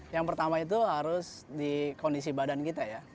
yang pertama itu harus di kondisi badan kita ya